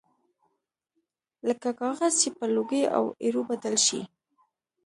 لکه کاغذ چې په لوګي او ایرو بدل شي